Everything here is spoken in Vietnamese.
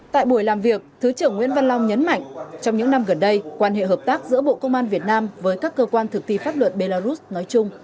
tại buổi làm việc thứ trưởng nguyễn văn long nhấn mạnh trong những năm gần đây quan hệ hợp tác giữa bộ công an việt nam với các cơ quan thực thi pháp luật belarus nói chung